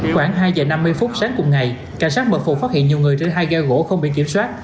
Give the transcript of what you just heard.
khoảng hai giờ năm mươi phút sáng cùng ngày cảnh sát mật phục phát hiện nhiều người trên hai ghe gỗ không biển kiểm soát